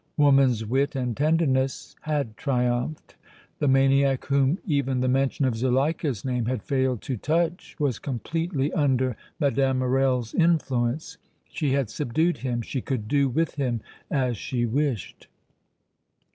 Woman's wit and tenderness had triumphed. The maniac whom even the mention of Zuleika's name had failed to touch was completely under Mme. Morrel's influence. She had subdued him; she could do with him as she wished.